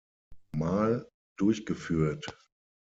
Mal durchgeführt.